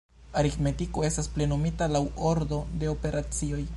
Aritmetiko estas plenumita laŭ ordo de operacioj.